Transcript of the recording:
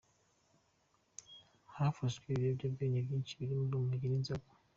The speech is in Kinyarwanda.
Hafashwe ibiyobyabwenge byinshi birimo urumogi n’inzoga.